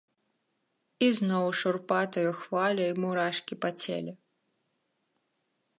І зноў шурпатаю хваляй мурашкі па целе.